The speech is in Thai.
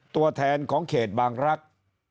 ตัวแทนของเขตบางรักษ์